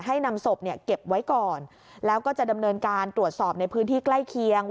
นำศพเนี่ยเก็บไว้ก่อนแล้วก็จะดำเนินการตรวจสอบในพื้นที่ใกล้เคียง